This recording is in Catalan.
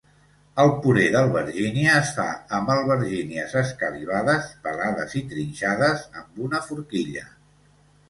El puré d'albergínia es fa amb albergínies escalivades, pelades i trinxades amb una forquilla.